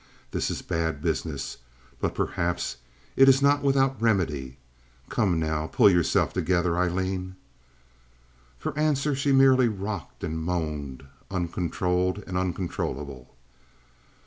This is bad business, but perhaps it is not without remedy. Come now, pull yourself together, Aileen!" For answer she merely rocked and moaned, uncontrolled and uncontrollable.